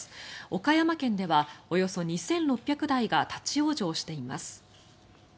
岡山県ではおよそ２６００台が立ち往生しています。